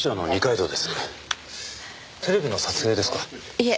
いえ